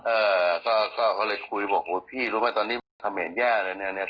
เออก็เลยคุยบอกโหที่รู้ป่ะทีนี้ทำเห็นแย่เลยเนี่ย